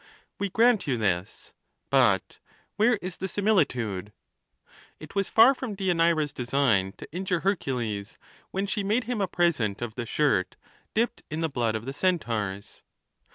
We grant you this; but where is the similitude ? It was far from Deianira's design to injure Hercules when she made him a present 344 THE NATURE OF THE GODS. of the shirt dipped in the blood of the Centaurs.